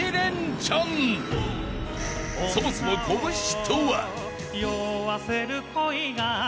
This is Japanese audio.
［そもそもこぶしとは］